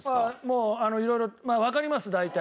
もう色々まあわかります大体。